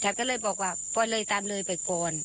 ก็เลยบอกว่าปอนเลยตามเลยไปก่อน